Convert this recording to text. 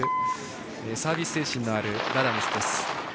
サービス精神のあるラダムスです。